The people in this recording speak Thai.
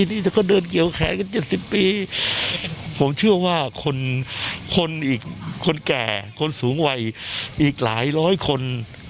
นี่แล้วก็เดินเกี่ยวแขนกัน๗๐ปีผมเชื่อว่าคนคนอีกคนแก่คนสูงวัยอีกหลายร้อยคน